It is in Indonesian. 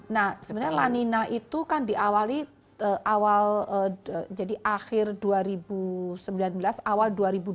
nah sebenarnya lanina itu kan diawali awal jadi akhir dua ribu sembilan belas awal dua ribu dua puluh